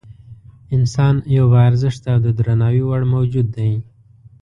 انسان یو با ارزښته او د درناوي وړ موجود دی.